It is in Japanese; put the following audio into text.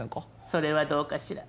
それはどうかしら。